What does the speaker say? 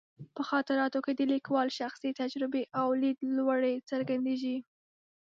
په خاطراتو کې د لیکوال شخصي تجربې او لیدلوري څرګندېږي.